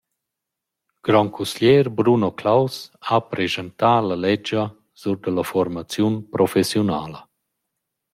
Grandcusglier Bruno Claus ha preschantà la ledscha sur da la fuormaziun professiunala.